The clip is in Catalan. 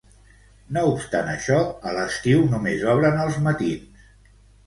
No obstant això, a l'estiu només obren als matins.